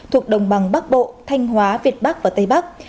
thuộc đồng bằng bắc bộ thanh hóa việt bắc và tây bắc